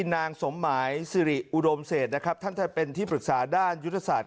นางสมหมายซิริอุดมเศษท่านแทนเป็นที่ปรึกษาด้านยุทธศาสตร์